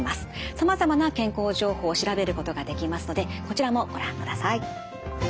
さまざまな健康情報を調べることができますのでこちらもご覧ください。